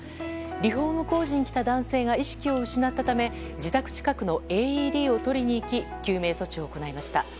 リフォーム工事に来た男性が意識を失ったため自宅近くのＡＥＤを取りに行き救命措置を行いました。